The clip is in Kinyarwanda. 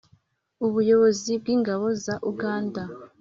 ubuyobozi bw'ingabo za uganda.